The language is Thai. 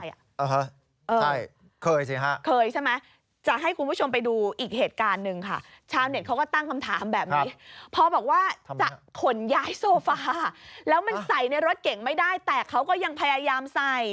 ใช่เคยสิฮะเคยใช่ไหมจะให้คุณผู้ชมไปดูอีกเหตุการณ์หนึ่งค่ะชาวเน็ตเขาก็ตั้งคำถามแบบนี้พอบอกว่าจะขนย้ายโซฟาแล้วมันใส่ในรถเก่งไม่ได้แต่เขาก็ยังพยายามใส่